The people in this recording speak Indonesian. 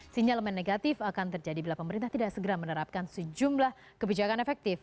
sinyalmen negatif akan terjadi bila pemerintah tidak segera menerapkan sejumlah kebijakan efektif